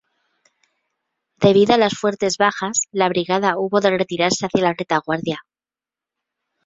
Debido a las fuertes bajas la brigada hubo de retirarse hacia la retaguardia.